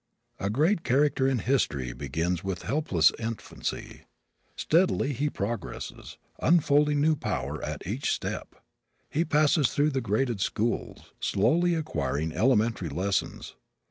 A great character in history begins with helpless infancy. Steadily he progresses, unfolding new power at each step. He passes through the graded schools, slowly acquiring elementary lessons.